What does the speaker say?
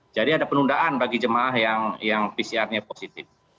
ada penundaan bagi jemaah yang pcr nya positif